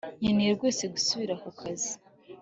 nkeneye rwose gusubira ku kazi